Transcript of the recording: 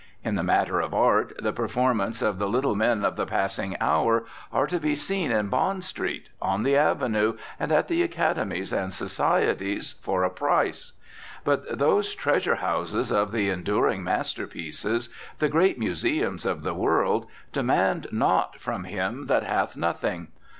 In the matter of art, the performances of the little men of the passing hour are to be seen in Bond Street, on the Avenue, and at the academies and societies, for a price; but those treasure houses of the enduring masterpieces, the great museums of the world, demand naught from him that hath nothing.